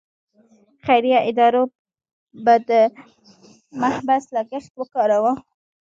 خیریه ادارو به د محبس لګښت ورکاوه.